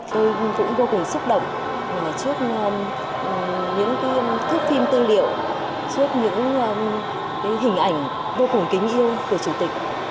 tôi cũng vô cùng xúc động trước những thước phim tư liệu trước những hình ảnh vô cùng kính yêu của chủ tịch